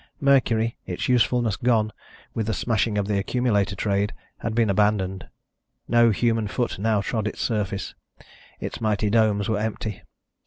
Mercury, its usefulness gone with the smashing of the accumulator trade, had been abandoned. No human foot now trod its surface. Its mighty domes were empty.